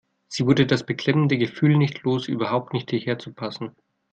Sie wurde das beklemmende Gefühl nicht los, überhaupt nicht hierher zu passen.